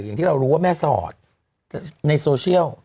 อย่างที่เรารู้ว่าแม่สอดในโซเชียล